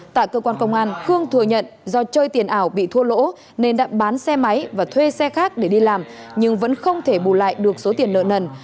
tại cơ quan công an khương thừa nhận do chơi tiền ảo bị thua lỗ nên đã bán xe máy và thuê xe khác để đi làm nhưng vẫn không thể bù lại được số tiền nợ nần